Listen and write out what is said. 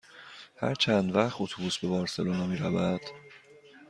هر چند وقت اتوبوس به بارسلونا می رود؟